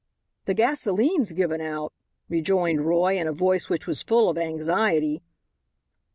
"The gasolene's given out," rejoined Roy in a voice which was full of anxiety.